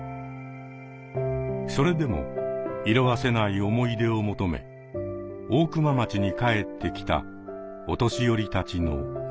それでも色あせない思い出を求め大熊町に帰ってきたお年寄りたちの物語です。